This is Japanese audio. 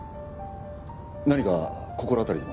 何か心当たりでも？